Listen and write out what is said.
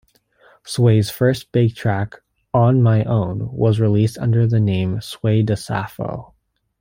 Sway's first big track 'On My Own' was released under the name Sway DaSafo.